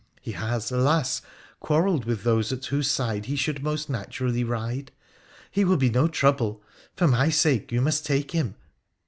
He has, alas ! quarrelled with those at whose side he should most naturally ride — he will be no trouble ; for my sake you must take him.